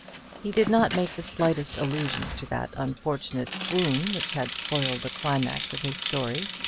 He did not make the slightest allusion to that unfortunate swoon which had spoiled the climax of his story.